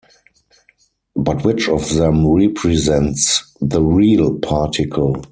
But which of them represents the "real" particle?